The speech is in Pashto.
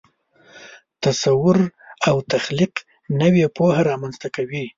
تصور او تخلیق نوې پوهه رامنځته کوي.